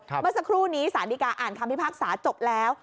เมื่อสักครู่นี้สารดีกาอ่านคำพิพากษาจบแล้ว